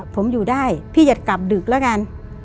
ผมอยู่ได้พี่อย่ากลับดึกแล้วกัน